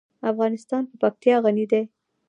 افغانستان په پکتیا غني دی.